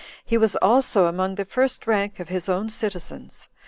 He was also among the first rank of his own citizens.